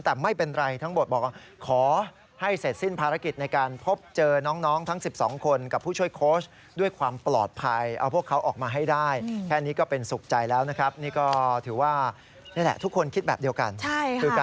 คือการเข้าไปช่วยด้วยใจนะฮะค่ะใช่ค่ะ